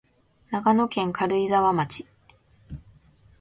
長野県軽井沢町